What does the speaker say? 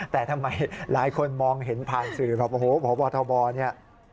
แต่ทำไมหลายคนมองเห็นผ่านสื่อแบบโอ้โหพบทบเนี่ย